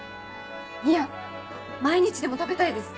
いや毎日でも食べたいです！